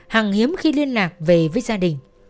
hằng hiếm khi liên lạc về với gia đình